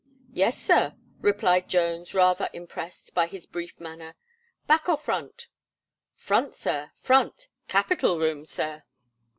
"Yes, Sir," replied Jones rather impressed by his brief manner. "Back or front?" "Front, Sir, front. Capital room, Sir!"